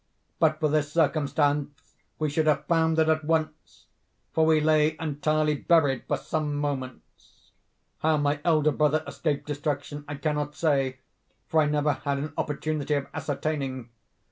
But for this circumstance we should have foundered at once—for we lay entirely buried for some moments. How my elder brother escaped destruction I cannot say, for I never had an opportunity of ascertaining.